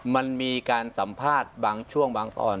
มันมีการสัมภาษณ์บางช่วงบางตอน